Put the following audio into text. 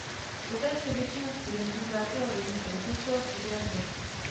Poté se většina studentů vrátila domů a dokončila studia zde.